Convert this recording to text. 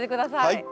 はい。